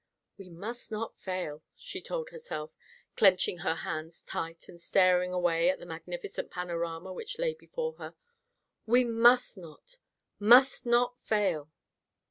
"We must not fail," she told herself, clenching her hands tight and staring away at the magnificent panorama which lay before her. "We must not! Must not fail!"